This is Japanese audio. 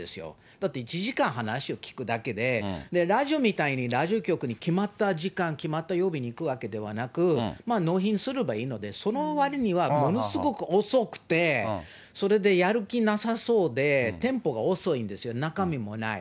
だって１時間話を聞くだけで、ラジオみたいにラジオ局に決まった時間、決まった曜日に行くわけではなく、納品すればいいので、その割にはものすごく遅くて、それでやる気なさそうで、テンポが遅いんですよ、中身もない。